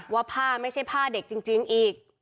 ว่าผ้าไม่ใช่ผ้าเด็กจริงอีก